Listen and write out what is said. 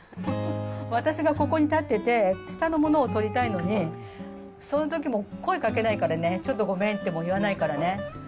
私がここに立ってて、下のものを取りたいのに、そのときも声かけないからね、ちょっとごめんとも言わないからね。